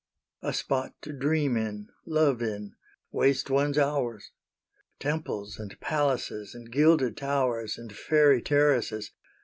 A spot to dream in, love in, waste one's hours! Temples and palaces, and gilded towers, And fairy terraces!